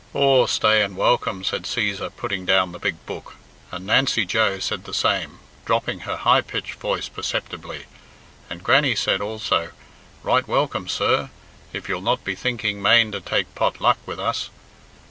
"Aw, stay and welcome," said Cæsar, putting down the big book, and Nancy Joe said the same, dropping her high pitched voice perceptibly, and Grannie said, also, "Right welcome, sir, if you'll not be thinking mane to take pot luck with us.